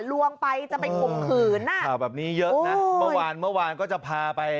ลวงไปจะไปคุมขืนค่ะแบบนี้เยอะนะเมื่อวานก็จะพาไป